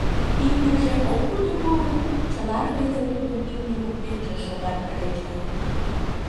Имньыже ок пудырго гын, чыла рвезе тудын имне воктенже шогат ыле чай.